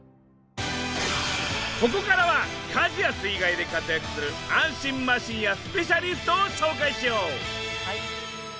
ここからは火事や水害で活躍する安心マシンやスペシャリストを紹介しよう。